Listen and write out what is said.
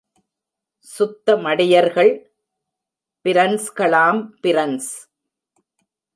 சுத்த மடையர்கள், பிரன்ஸ்களாம் பிரன்ஸ்.